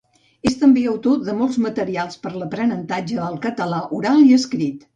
És també autor de molts materials per l'aprenentatge del català oral i escrit.